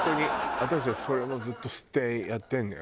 私たちそれをもうずっと吸ってやってるのよ